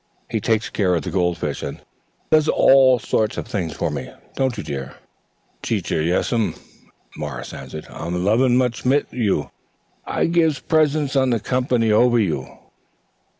He takes care of the gold fish, and does all sorts of things for me. Don't you, dear?" "Teacher, yiss ma'an," Morris answered. "I'm lovin' much mit you. I gives presents on the comp'ny over you."